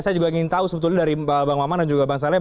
saya juga ingin tahu sebetulnya dari bang maman dan juga bang saleh